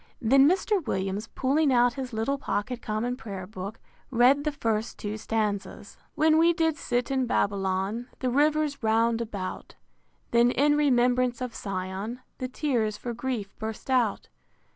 Then Mr. Williams, pulling out his little pocket Common Prayer Book, read the first two stanzas: I. When we did sit in Babylon, The rivers round about; Then in remembrance of Sion, The tears for grief burst out.